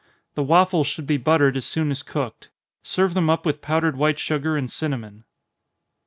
The waffles should be buttered as soon as cooked. Serve them up with powdered white sugar and cinnamon.